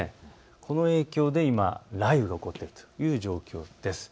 この影響で今、雷雨が起こっているという状況です。